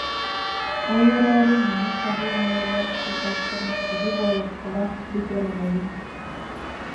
Ол эрээри маннык хоһуун ийэлээх чыычаахтарым киһи буолуохтара, бүк эрэнэбин»